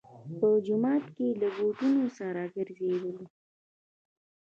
په جومات کې له بوټونو سره ګرځېدلو.